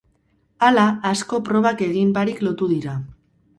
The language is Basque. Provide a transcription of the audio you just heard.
Hala, asko probak egin barik lotu dira.